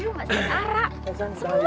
udah belum lho